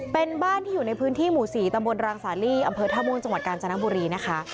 เป็นบ้านที่อยู่ในพื้นที่หมู่๔ตำบลรางสาลีอำเภอท่าม่วงจังหวัดกาญจนบุรีนะคะ